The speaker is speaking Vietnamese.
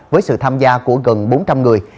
với sự tham gia của gần bốn trăm linh người